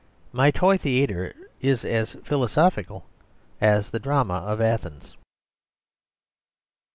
My toy theatre is as philosophical as the drama of Athens.